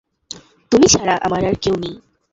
তুমি ছাড়া আমার আর কেউ নেই।